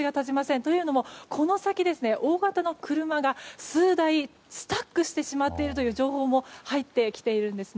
というのもこの先、大型の車が数台スタックしてしまっているという情報も入ってきているんですね。